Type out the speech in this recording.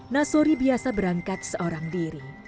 nasori biasa berangkat seorang diri